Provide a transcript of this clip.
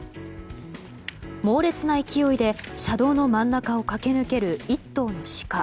猛烈な勢いで車道の真ん中を駆け抜ける１頭のシカ。